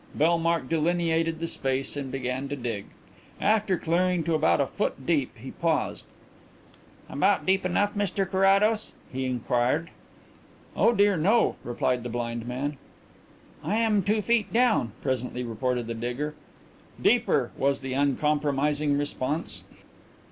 Bellmark delineated the space and began to dig. After clearing to about a foot deep he paused. "About deep enough, Mr Carrados?" he inquired. "Oh, dear no," replied the blind man. "I am two feet down," presently reported the digger. "Deeper!" was the uncompromising response.